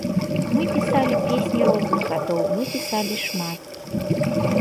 Мы пісалі песні розных гадоў, мы пісалі шмат.